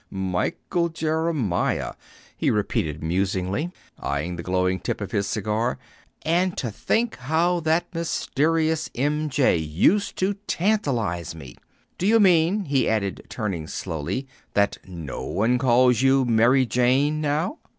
"'Michael Jeremiah,'" he repeated musingly, eyeing the glowing tip of his cigar. "And to think how that mysterious 'M. J.' used to tantalize me! Do you mean," he added, turning slowly, "that no one calls you 'Mary Jane' now?"